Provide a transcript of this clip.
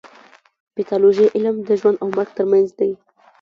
د پیتالوژي علم د ژوند او مرګ ترمنځ دی.